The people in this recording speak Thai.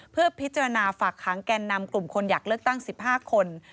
เพื่อพิจารณาฝากค้างแก่นนำกลุ่มคนอยากเลือกตั้ง๑๕คน